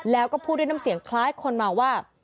แล้วก็พูดด้วยน้ำเสียงคล้ายคนเมาว่า